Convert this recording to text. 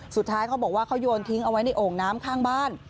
เขาบอกว่าเขาโยนทิ้งเอาไว้ในโอ่งน้ำข้างบ้าน